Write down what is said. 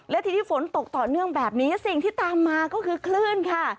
และทีนี้ฝนตกต่อเนื่องแบบนี้สิ่งที่ตามมาก็คือคลื่นค่ะ